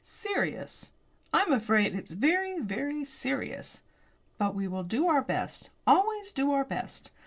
"Serious; I am afraid it's very, very serious. But we will do our best; always do our best.